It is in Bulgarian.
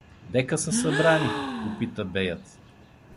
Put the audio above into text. — Дека са събрани? — попита беят.